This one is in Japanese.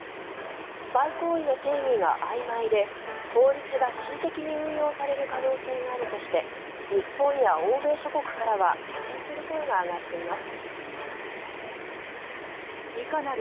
スパイ行為の定義があいまいで法律が恣意的に運用される可能性があるとして日本や欧米諸国からは懸念する声が上がっています。